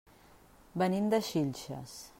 Venim de Xilxes.